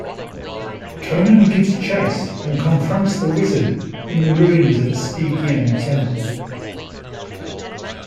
Conan gives chase and confronts the wizard in the ruins of a Stygian temple.